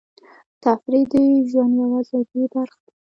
تفریح د ژوند یوه ضروري برخه ده.